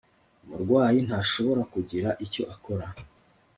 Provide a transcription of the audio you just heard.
umurwayi ntashobora kugira icyo akora